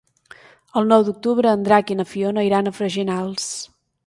El nou d'octubre en Drac i na Fiona iran a Freginals.